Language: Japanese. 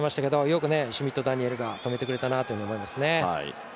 よくシュミット・ダニエルが止めてくれたなと思いますね。